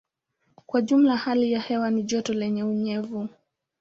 Kwa jumla hali ya hewa ni joto lenye unyevu.